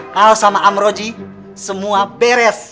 hal sama amroji semua beres